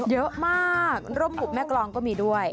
เยอะมากร่มบุกแม่กรองก็มีด้วย